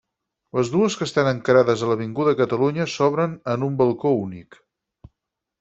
Les dues que estan encarades a l'Avinguda Catalunya s'obren en un balcó únic.